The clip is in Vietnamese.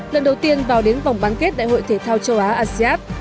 lần đầu tiên vào đến vòng bán kết đại hội thể thao châu á asean